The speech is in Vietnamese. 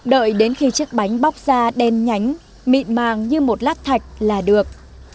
đợi đến khi chiếc bánh bóc ra đen nhánh mịn màng như một lát thạch là được